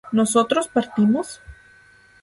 ¿Nosotros partimos?